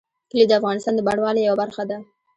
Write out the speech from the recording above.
کلي د افغانستان د بڼوالۍ یوه برخه ده.